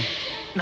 何！？